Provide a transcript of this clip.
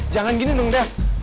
jangan gini dong dev